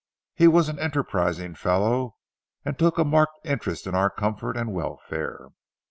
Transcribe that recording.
He was an enterprising fellow and took a marked interest in our comfort and welfare.